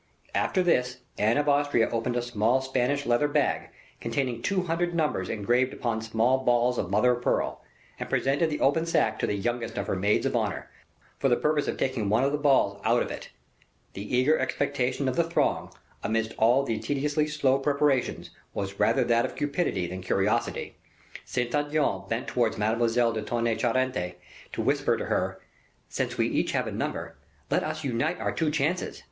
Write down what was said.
After this, Anne of Austria opened a small Spanish leather bag, containing two hundred numbers engraved upon small balls of mother of pearl, and presented the open sack to the youngest of her maids of honor, for the purpose of taking one of the balls out of it. The eager expectation of the throng, amidst all the tediously slow preparations, was rather that of cupidity than curiosity. Saint Aignan bent towards Mademoiselle de Tonnay Charente to whisper to her, "Since we have each a number, let us unite our two chances.